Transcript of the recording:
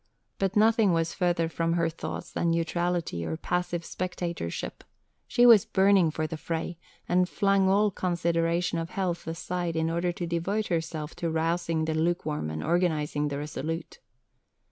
But nothing was further from her thoughts than neutrality or passive spectatorship. She was burning for the fray, and flung all consideration of health aside in order to devote herself to rousing the lukewarm and organizing the resolute.